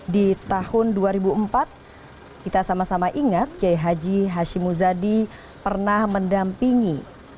di tahun dua ribu empat kita sama sama ingat kiai haji hashim muzadi pernah mendampingi